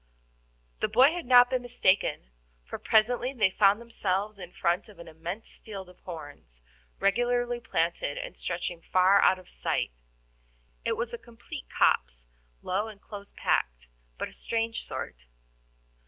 The boy had not been mistaken, for presently they found themselves in front of an immense field of horns, regularly planted and stretching far out of sight. It was a complete copse, low and close packed, but a strange sort.